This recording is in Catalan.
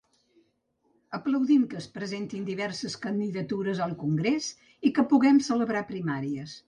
Aplaudim que es presentin diverses candidatures al congrés i que puguem celebrar primàries.